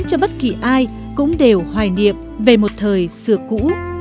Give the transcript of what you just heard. cho bất kỳ ai cũng đều hoài niệm về một thời xưa cũ